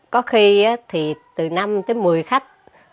có khi từ năm tới một mươi khách